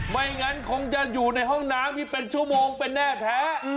ไม่งั้นคงจะอยู่ในห้องน้ำนี่เป็นชั่วโมงเป็นแน่แท้